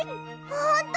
ほんと！？